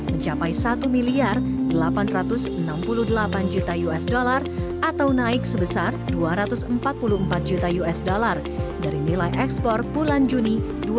mencapai satu delapan ratus enam puluh delapan juta usd atau naik sebesar dua ratus empat puluh empat juta usd dari nilai ekspor bulan juni dua ribu dua puluh